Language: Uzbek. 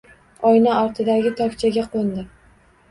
Oyna ortidagi tokchaga qo’ndi.